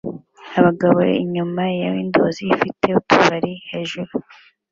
Abagabo inyuma ya windows ifite utubari hejuru